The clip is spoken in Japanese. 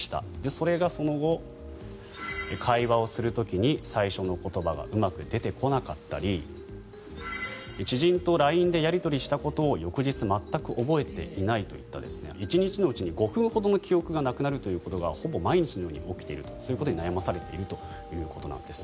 それが、その後会話をする時に最初の言葉がうまく出てこなかったり知人とＬＩＮＥでやり取りしたことを翌日、全く覚えていないといった１日のうちに５分ほどの記憶がなくなるということがほぼ毎日のように起きているとそういうことに悩まされているということです。